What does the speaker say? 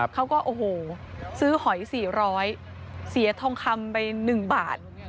เขาก็โอ้โหซื้อหอย๔๐๐เสียทองคำไป๑บาท